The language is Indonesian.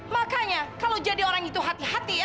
makanya kalau jadi orang itu hati hati ya